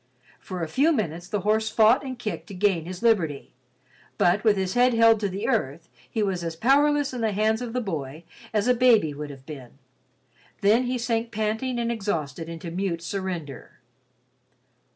For a few minutes the horse fought and kicked to gain his liberty, but with his head held to the earth, he was as powerless in the hands of the boy as a baby would have been. Then he sank panting and exhausted into mute surrender.